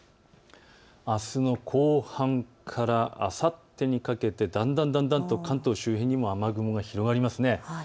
あすの後半からあさってにかけて、だんだんと関東周辺にも雨雲が広がります。